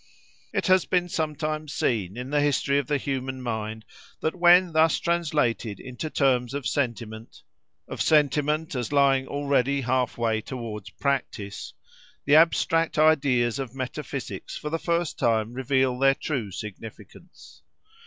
It has been sometimes seen, in the history of the human mind, that when thus translated into terms of sentiment—of sentiment, as lying already half way towards practice—the abstract ideas of metaphysics for the first time reveal their true significance.